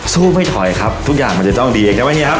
สู้ไม่ถอยครับทุกอย่างมันจะต้องดีเองนะว่าเงี้ยครับ